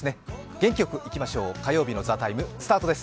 元気よく行きましょう、火曜日の「ＴＨＥＴＩＭＥ，」スタートです。